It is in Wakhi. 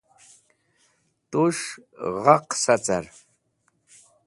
Tus̃h g̃ha qẽsa car.